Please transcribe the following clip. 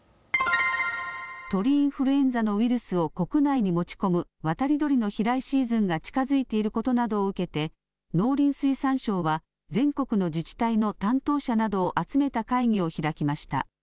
鳥インフルエンザのウイルスを国内に持ち込む渡り鳥の飛来シーズンが近づいていることなどを受けて農林水産省は全国の自治体の担当者などを集めた会議を開きました。